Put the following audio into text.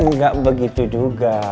enggak begitu juga